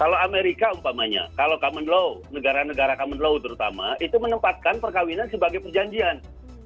kalau amerika umpamanya kalau common law negara negara common law terutama itu menempatkan perkawinan sebagai perjanjian